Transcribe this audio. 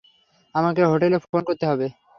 আমাকে হোটেলে ফোন করতে হবে।